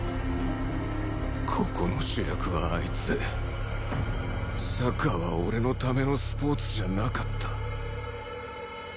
ここの主役はあいつでサッカーは俺のためのスポーツじゃなかった